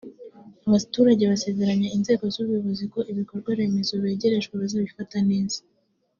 Abaturage basezeranya inzego z’ubuyobozi ko ibikorwa remezo begerejwe bazabifata neza